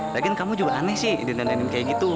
lagi kamu juga aneh sih dendam dendam kayak gitu